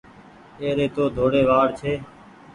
اي ري تو ڌوڙي وآڙ ڇي۔